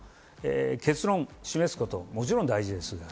結論を示すこはともちろん大事です。